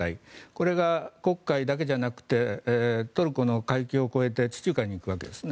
これが黒海だけじゃなくてトルコの海峡を越えて地中海に行くわけですね。